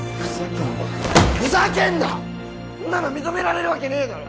こんなの認められるわけねえだろ